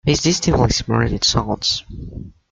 With distinctly separated sounds.